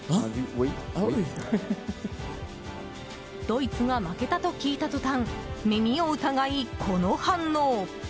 ドイツが負けたと聞いた途端耳を疑い、この反応。